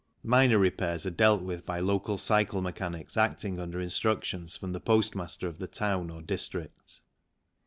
Minor repairs are dealt with by local cycle mechanics acting under 90 THE CYCLE INDUSTRY instructions from the postmaster of the town or district.